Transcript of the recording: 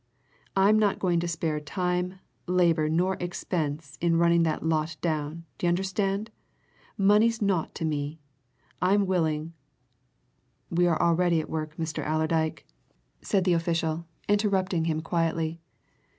I'm not going to spare time, labour, nor expense in running that lot down, d'you understand? Money's naught to me I'm willing " "We are already at work, Mr. Allerdyke," said the official, interrupting him quietly.